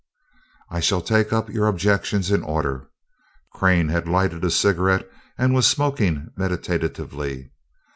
"I shall take up your objections in order," Crane had lighted a cigarette and was smoking meditatively.